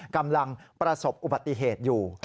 กำลังประสบอุบัติเหตุอยู่